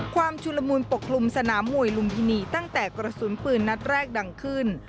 ชุลมูลปกคลุมสนามมวยลุมพินีตั้งแต่กระสุนปืนนัดแรกดังขึ้น